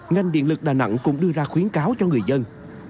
ngành điện lực đà nẵng cũng đưa ra khuyến cáo cho người dân